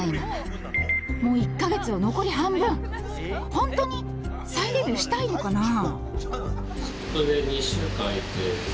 本当に再デビューしたいのかなぁ？